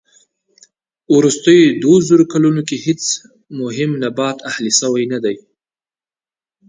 وروستيو دووزرو کلونو کې هېڅ مهم نبات اهلي شوی نه دي.